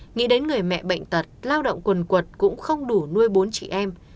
nghĩ đến người mẹ bệnh tật lao động quần quật cũng không đủ nuôi bốn chị em